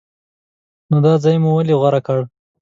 نو دا ځای مو ولې غوره کړ؟